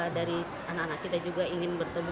dari anak anak kita juga ingin bertemu